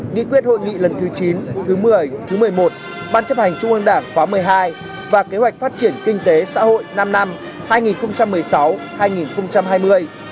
nghị quyết hội nghị lần thứ chín thứ một mươi thứ một mươi một ban chấp hành trung ương đảng khóa một mươi hai và kế hoạch phát triển kinh tế xã hội năm năm hai nghìn một mươi sáu hai nghìn hai mươi